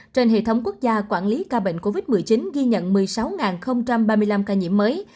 trên hệ thống quốc gia quản lý ca bệnh covid một mươi chín ghi nhận một mươi sáu ba mươi năm ca nhiễm mới